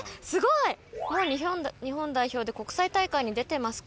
「もう日本代表で国際大会に出てますか？